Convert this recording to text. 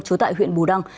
chú tại huyện bù đăng